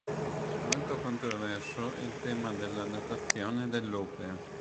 Molto controverso è il tema della datazione dell'opera.